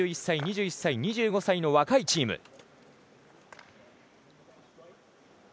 ２１歳、２１歳、２５歳の若いチーム。